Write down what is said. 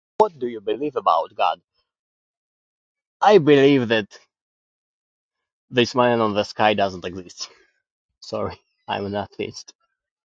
What do you believe about God? I believe that this man on the sky doesn't exist. Sorry, I'm an atheist.